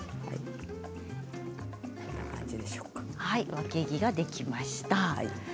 わけぎができました。